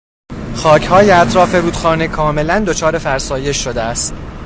خاکهای اطراف رودخانه کاملا دچار فرسایش شده است.